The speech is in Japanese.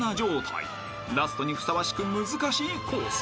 ［ラストにふさわしく難しいコース］